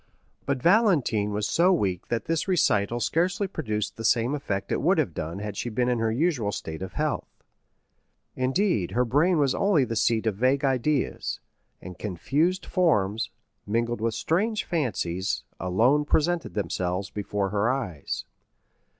But Valentine was so weak that this recital scarcely produced the same effect it would have done had she been in her usual state of health. Indeed, her brain was only the seat of vague ideas, and confused forms, mingled with strange fancies, alone presented themselves before her eyes.